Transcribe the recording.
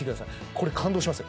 これ感動しますよ